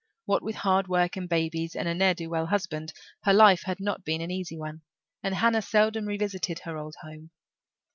What with hard work and babies and a ne'er do well husband, her life had not been an easy one, and Hannah seldom revisited her old home.